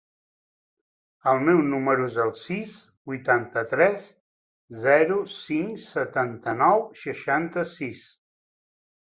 El meu número es el sis, vuitanta-tres, zero, cinc, setanta-nou, seixanta-sis.